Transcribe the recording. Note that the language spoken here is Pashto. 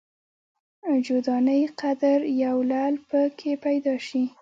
جو دانې قدر یو لعل په کې پیدا شي.